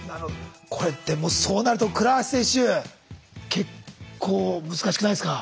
これでもそうなると倉橋選手結構難しくないですか？